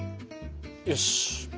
よし。